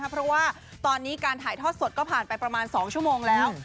เพราะว่าตอนนี้การถ่ายทอดสดก็ผ่านไปประมาณ๒ชั่วโมงแล้ว